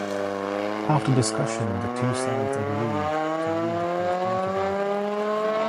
After discussion the two sides agreed to leave the post unoccupied.